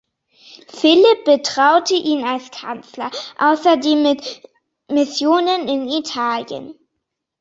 Philipp betraute ihn als Kanzler außerdem mit Missionen in Italien.